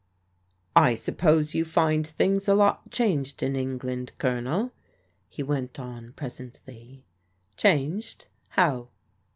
'' I suppose you find things a lot changed in England, Colonel ?" he went on presently. "Changed? How?"